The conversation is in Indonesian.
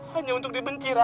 hanya untuk dibenci ra